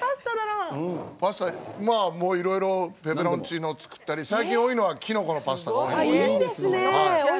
いろいろぺペロンチーノ作ったり最近多いのはきのこのパスタ。